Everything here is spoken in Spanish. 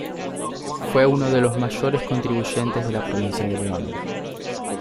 Fue uno de los mayores contribuyentes de la provincia de León.